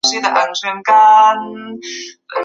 隆维人口变化图示